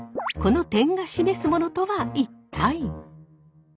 この点が示すものとは一体？